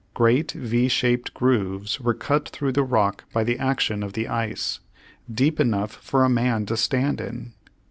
Great V shaped grooves were cut through this rock by the action of the ice, deep enough for a man to stand in.